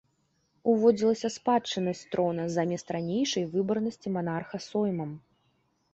Уводзілася спадчыннасць трона замест ранейшай выбарнасці манарха соймам.